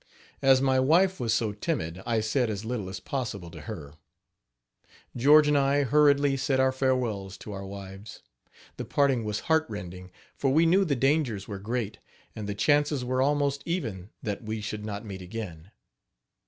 As my wife was so timid, I said as little as possible to her. George and I hurriedly said our farewells to our wives. The parting was heart rending, for we knew the dangers were great, and the chances were almost even that we should not meet again.